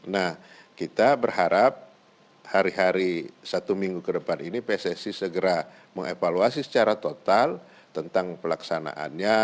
nah kita berharap hari hari satu minggu ke depan ini pssi segera mengevaluasi secara total tentang pelaksanaannya